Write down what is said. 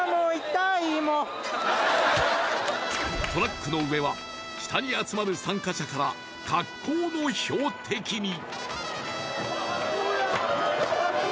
トラックの上は下に集まる参加者から格好の標的に！